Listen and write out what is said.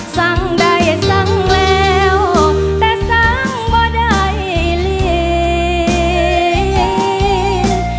สั่งได้สั่งแล้วแต่สั่งบ่ได้เรียน